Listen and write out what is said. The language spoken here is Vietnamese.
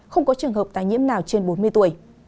không có trường hợp tái nhiễm nào trên bốn mươi tuổi